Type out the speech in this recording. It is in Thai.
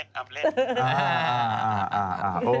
ทำเล่น